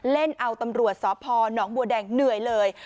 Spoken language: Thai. เล่นเอาตำรวจสพหนองบัวแดงเหนื่อยเลย